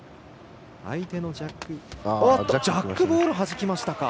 ジャックボールはじきました。